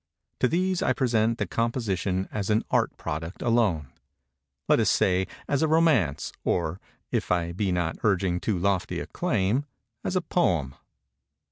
To these I present the composition as an Art Product alone:—let us say as a Romance; or, if I be not urging too lofty a claim, as a Poem.